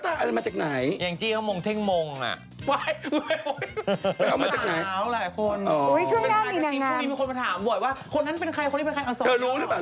เพราะเอกไร้หลบอยู่แหละก็ไม่รู้นัก